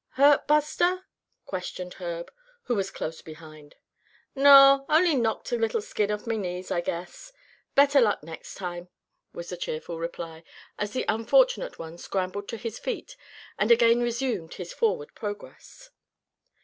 "Hurt, Buster?" questioned Herb, who was close behind. "Naw, only knocked a little skin off my knees, I guess. Better luck next time," was the cheerful reply, as the unfortunate one scrambled to his feet, and again resumed his forward progress.